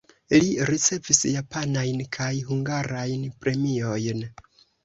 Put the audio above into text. Li ricevis japanajn kaj hungarajn premiojn.